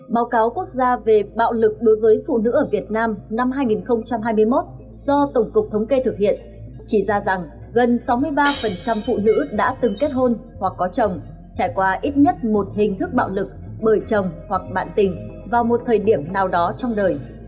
báo cáo quốc gia về bạo lực đối với phụ nữ ở việt nam năm hai nghìn hai mươi một do tổng cục thống kê thực hiện chỉ ra rằng gần sáu mươi ba phụ nữ đã từng kết hôn hoặc có chồng trải qua ít nhất một hình thức bạo lực bởi chồng hoặc bạn tình vào một thời điểm nào đó trong đời